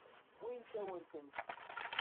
Wwint-awen-tent-id.